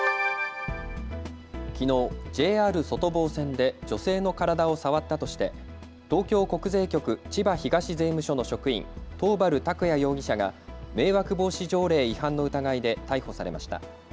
きのうＪＲ外房線で女性の体を触ったとして東京国税局千葉東税務署の職員、桃原卓也容疑者が迷惑防止条例違反の疑いで逮捕されました。